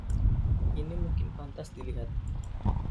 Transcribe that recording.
Ini mungkin pantas dilihat.